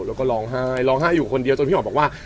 แล้วก็ร้องไห้ร้องไห้อยู่คนเดียวจนพี่หมอบอกว่า